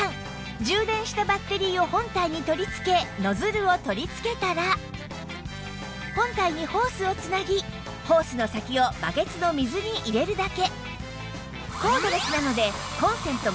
充電したバッテリーを本体に取り付けノズルを取り付けたら本体にホースを繋ぎホースの先をバケツの水に入れるだけ